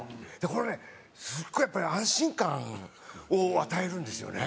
これねすごいやっぱり安心感を与えるんですよね。